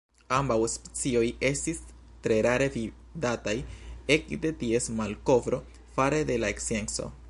Ambaŭ specioj estis tre rare vidataj ekde ties malkovro fare de la scienco.